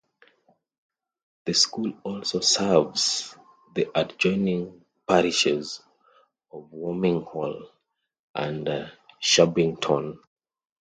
The school also serves the adjoining parishes of Worminghall and Shabbington.